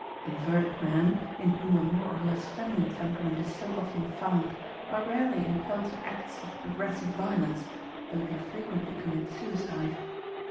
Inverted men, in whom a more or less feminine temperament is so often found, are rarely impelled to acts of aggressive violence, though they frequently commit suicide.